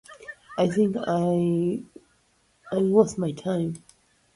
Следовать инструкциям режиссера, чувствуя образ на уровне звука.